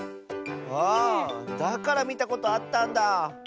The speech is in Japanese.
あだからみたことあったんだ。